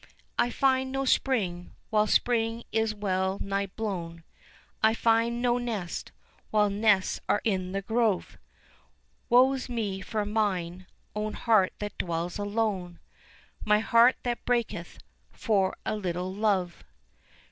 "I find no spring, while spring is well nigh blown; I find no nest, while nests are in the grove; Woe's me for mine own heart that dwells alone My heart that breaketh for a little love."